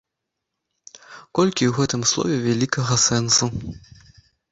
Колькі ў гэтым слове вялікага сэнсу!